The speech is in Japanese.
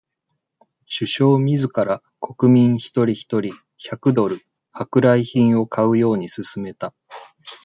首相自ら、国民一人一人、百ドル、舶来品を買うようにすすめた。